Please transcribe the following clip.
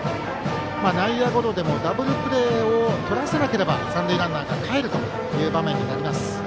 内野ゴロでもダブルプレーをとらせなければ三塁ランナーがかえるという場面になります。